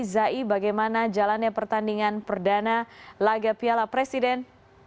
zai bagaimana jalannya pertandingan perdana laga piala presiden